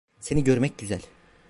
Seni görmek güzel.